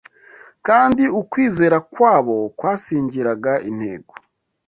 kandi ukwizera kwabo kwasingiraga intego